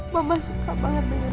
mama suka banget dengerin